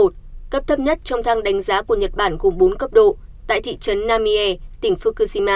cấp thấp nhất trong thang đánh giá của nhật bản gồm bốn cấp độ tại thị trấn name tỉnh fukushima